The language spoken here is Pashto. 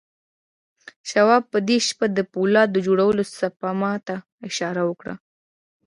شواب په دې شپه د پولاد جوړولو سپما ته اشاره وکړه